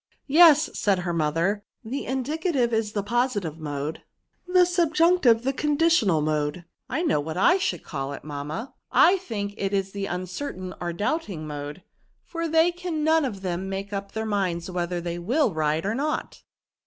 " Yes," said her mother, ^< the indicative is the positive mode ; the subjunctive the conditional mode.'* *' I know what I should call it, mamma ; I 224f VERBS. think it is the uncertain or doubting mode, for they can none of them make up their minds whether they will ride or not."